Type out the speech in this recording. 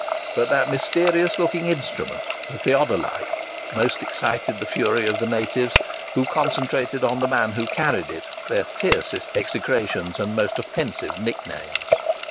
But that mysterious looking instrument— the theodolite —most excited the fury of the natives, who concentrated on the man who carried it their fiercest execrations and most offensive nicknames.